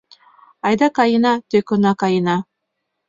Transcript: Айда каена, тӧкына каена